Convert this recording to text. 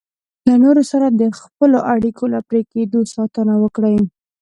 له نورو سره د خپلو اړیکو له پرې کېدو ساتنه وکړئ.